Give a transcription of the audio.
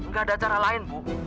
nggak ada cara lain bu